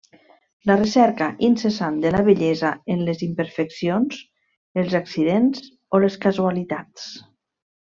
La recerca incessant de la bellesa en les imperfeccions, els accidents o les casualitats.